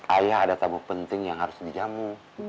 ayah ada tabuk penting yang harus dijamu